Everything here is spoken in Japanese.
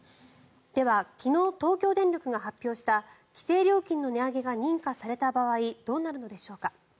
では昨日、東京電力が発表した規制料金の値上げが認可された場合どうなるのでしょうか。